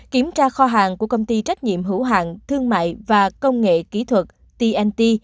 kiểm tra kho hàng của công ty trách nhiệm hữu hạng thương mại và công nghệ kỹ thuật tnt